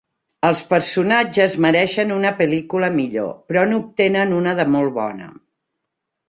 Els personatges mereixen una pel·lícula millor, però n'obtenen una de molt bona.